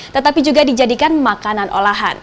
tetapi juga dijadikan makanan olahan